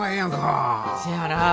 せやなぁ。